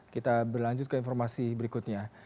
kita berlanjut ke informasi berikutnya